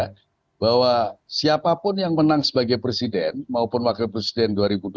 ya bahwa siapapun yang menang sebagai presiden maupun wakil presiden dua ribu dua puluh empat dua ribu dua puluh sembilan